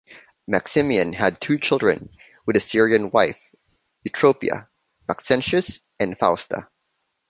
Maximian had two children with his Syrian wife, Eutropia: Maxentius and Fausta.